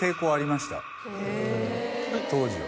当時は。